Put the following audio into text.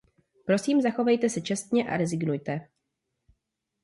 Prosím, zachovejte se čestně a rezignujte.